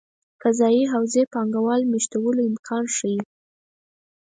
قضايي حوزې پانګه والو مېشتولو امکان ښيي.